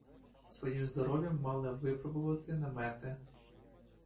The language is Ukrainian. Своїм здоров'ям мали випробувати намети.